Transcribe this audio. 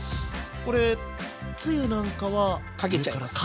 これつゆなんかはかけちゃいます。